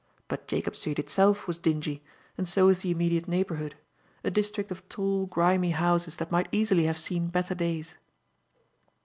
But Jacob Street, itself, was dingy, and so was the immediate neighbourhood; a district of tall, grimy houses that might easily have seen better days.